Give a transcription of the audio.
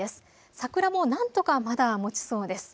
桜もなんとかまだもちそうです。